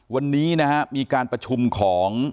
วันนี้นะฮะมีการประชุมของ